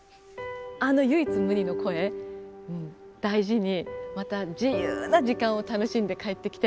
あの唯一無二の声大事にまた自由な時間を楽しんで帰ってきて。